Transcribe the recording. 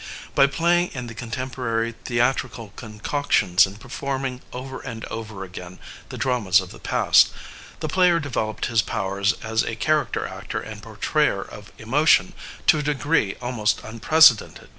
By playing in the contemporary theatrical con coctions and performing over and over again the dramas of the past, the player developed his powers as a character actor and portrayer of emotion to a degree almost unprecedented.